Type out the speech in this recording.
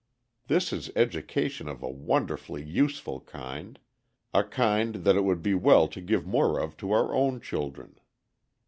This is education of a wonderfully useful kind; a kind that it would be well to give more of to our own children.